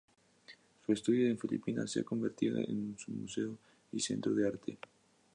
Su estudio en Filipinas se ha convertido en museo y centro de arte.